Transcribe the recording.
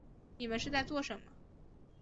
你们是在做什么